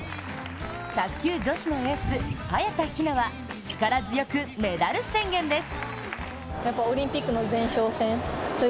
卓球女子のエース・早田ひなは力強くメダル宣言です。